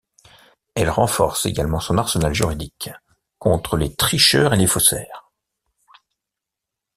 Elle renforce également son arsenal juridique contre les tricheurs et les faussaires.